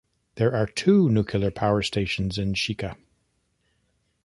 There are two nuclear power stations in Shika.